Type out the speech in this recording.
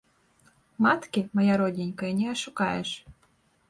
Маткі, мая родненькая, не ашукаеш.